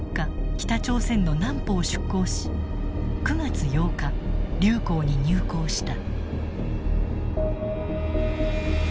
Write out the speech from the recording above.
北朝鮮の南浦を出港し９月８日竜口に入港した。